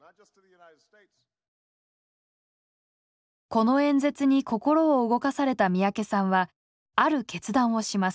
この演説に心を動かされた三宅さんはある決断をします。